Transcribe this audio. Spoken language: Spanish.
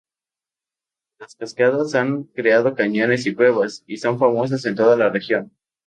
Las cascadas han creado cañones y cuevas, y son famosas en toda la región.